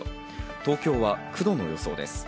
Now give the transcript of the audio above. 東京は９度の予想です。